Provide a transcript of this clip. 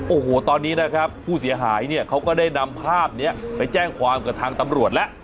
โอ้โหตอนนี้นะครับผู้เสียหายเนี่ยเขาก็ได้นำภาพนี้ไปแจ้งความกับทางตำรวจแล้ว